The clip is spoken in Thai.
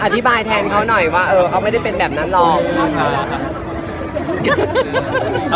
อธิบายแทนเขาหน่อยว่าเออเขาไม่ได้เป็นแบบนั้นหรอก